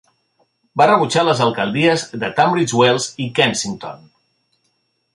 Va rebutjar les alcaldies de Tunbridge Wells i Kensington.